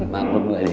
maklum dulu aja ya